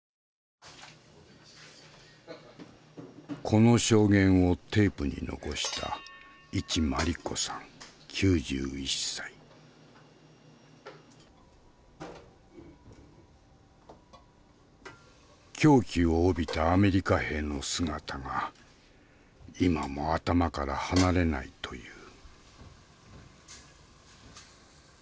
この証言をテープに残した狂気を帯びたアメリカ兵の姿が今も頭から離れないという。